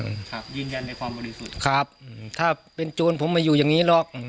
ครับยืนยันในความบริสุทธิ์ครับอืมถ้าเป็นโจรผมไม่อยู่อย่างงี้หรอกอืม